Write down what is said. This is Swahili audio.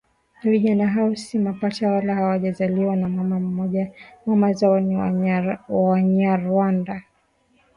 Vijana hao sio mapacha wala hawajazaliwa na mama mmoja mama zao ni wanyarwanda